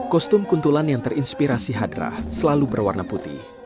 kostum kuntulan yang terinspirasi hadrah selalu berwarna putih